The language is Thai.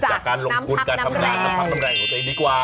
จากการลงคุณการทำงานจากน้ำพักน้ำแรงของใจดีกว่า